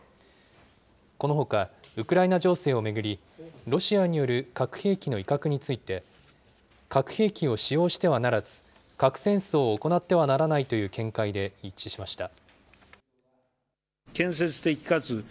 このほか、ウクライナ情勢を巡り、ロシアによる核兵器の威嚇について、核兵器を使用してはならず、核戦争を行ってはならないという見解で一致しました。